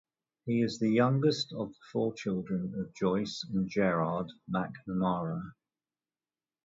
He is the youngest of the four children of Joyce and Gerard McNamara.